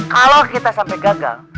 kalau kita sampai gagal